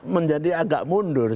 menjadi agak mundur